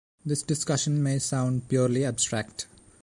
This discussion may sound purely abstract.